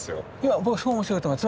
僕すごい面白いと思います。